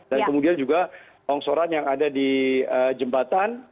dan kemudian juga longshore yang ada di jembatan